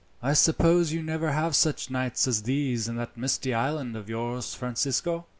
"I suppose you never have such nights as these in that misty island of yours, Francisco?"